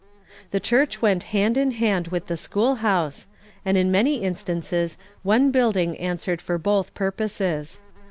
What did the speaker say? The church went hand in hand with the schoolhouse, and in many instances one building answered for both purposes.